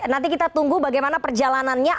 nanti kita tunggu bagaimana perjalanannya